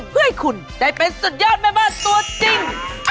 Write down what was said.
เพื่อให้คุณได้เป็นสุดยอดแม่บ้านตัวจริง